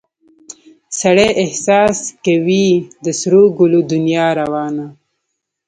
سړي احساس کې وي د سرو ګلو دنیا روانه